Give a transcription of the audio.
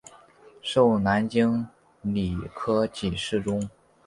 授南京礼科给事中。